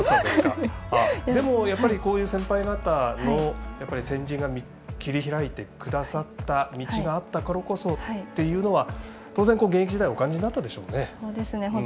でも、こういう先輩方の先人が切り開いてくださった道があったからこそっていうのは当然、現役時代お感じになったでしょうね。